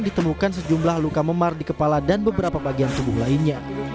ditemukan sejumlah luka memar di kepala dan beberapa bagian tubuh lainnya